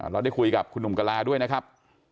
ได้คุยกับคุณหนุ่มกะลาด้วยนะครับ